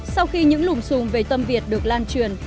sau khi những lùm xùm về tâm việt được lan truyền